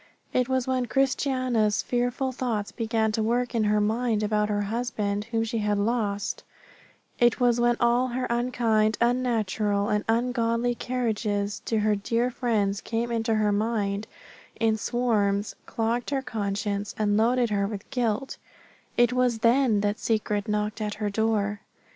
It was when Christiana's fearful thoughts began to work in her mind about her husband whom she had lost it was when all her unkind, unnatural, and ungodly carriages to her dear friend came into her mind in swarms, clogged her conscience, and loaded her with guilt it was then that Secret knocked at her door.